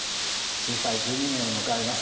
震災から１２年を迎えます。